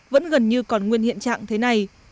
vẫn gần như còn nguyên hiện trạng thế này